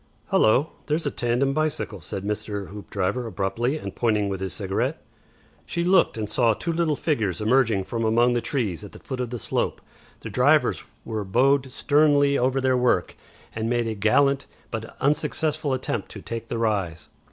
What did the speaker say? "Hullo! Here's a tandem bicycle," said Mr. Hoopdriver, abruptly, and pointing with his cigarette. She looked, and saw two little figures emerging from among the trees at the foot of the slope. The riders were bowed sternly over their work and made a gallant but unsuccessful attempt to take the rise.